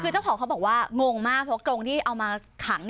คือเจ้าของเขาบอกว่างงมากเพราะกรงที่เอามาขัง